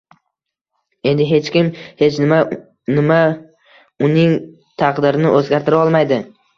Endi hech kim, hech nima nima uning taqdirini o`zgartira olmaydi